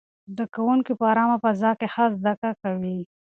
زده کوونکي په ارامه فضا کې ښه زده کوي.